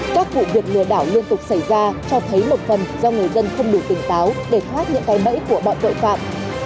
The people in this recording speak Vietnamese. các vụ việc lừa đảo liên tục xảy ra cho thấy một phần do người dân không đủ tỉnh táo để thoát những cái bẫy của bọn tội phạm